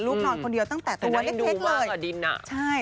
ลูกนอนคนเดียวตั้งแต่ตัวเน็กเลย